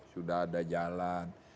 sudah ada jalan